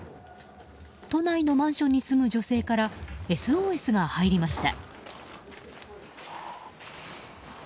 都内のマンションに住む女性からＳＯＳが入りました。